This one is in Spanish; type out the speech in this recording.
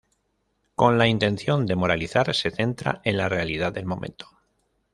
Con la intención de moralizar, se centra en la realidad del momento.